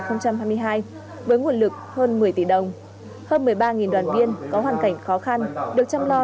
năm hai nghìn hai mươi hai với nguồn lực hơn một mươi tỷ đồng hơn một mươi ba đoàn viên có hoàn cảnh khó khăn được chăm lo